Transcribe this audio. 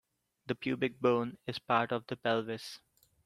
The pubic bone is part of the pelvis.